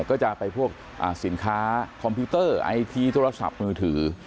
ก็จะไปพวกสินค้าคอมพิวเตอร์ไอทีโทรศัพท์มือถือ